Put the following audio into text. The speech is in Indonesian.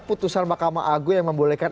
putusan mahkamah agung yang membolehkan